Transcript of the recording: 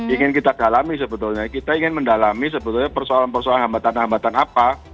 ingin kita dalami sebetulnya kita ingin mendalami sebetulnya persoalan persoalan hambatan hambatan apa